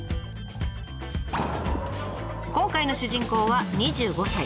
今回の主人公は２５歳。